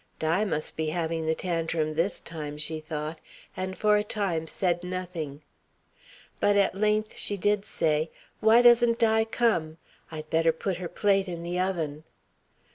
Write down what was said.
"Di must be having the 'tantrim' this time," she thought, and for a time said nothing. But at length she did say: "Why doesn't Di come? I'd better put her plate in the oven."